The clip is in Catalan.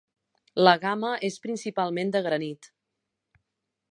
La gamma és principalment de granit.